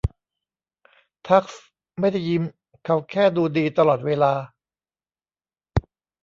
ทักซ์ไม่ได้ยิ้มเขาแค่ดูดีตลอดเวลา